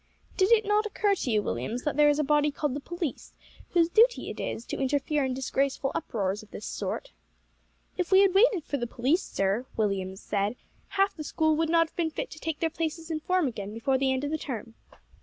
"Did it not occur to you, Williams, that there is a body called the police, whose duty it is to interfere in disgraceful uproars of this sort?" "If we had waited for the police, sir," Williams said, "half the School would not have been fit to take their places in form again before the end of the term."